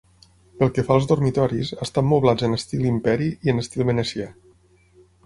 Pel que fa als dormitoris, estan moblats en estil imperi i en estil venecià.